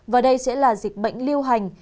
và đây sẽ là dịch bệnh lưu hành